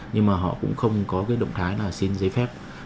nhưng mà họ cũng không có cái động thái là xin giấy phép